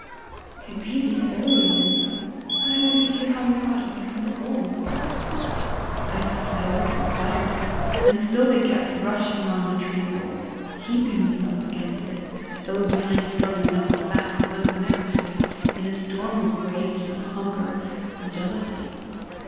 "It may be so, Ian! But I want to hear how you got away from the wolves." "I fired and fired; and still they kept rushing on the tree hole, heaping themselves against it, those behind struggling up on the backs of those next it, in a storm of rage and hunger and jealousy.